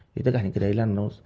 thì tất cả những cái đấy là nó